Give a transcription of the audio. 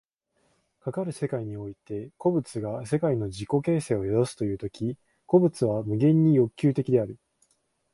かかる世界において個物が世界の自己形成を宿すという時、個物は無限に欲求的である。